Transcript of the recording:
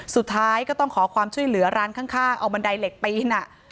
สุดท้ายก็ต้องขอความช่วยเหลือร้านข้างเอาบันไดเหล็กปีน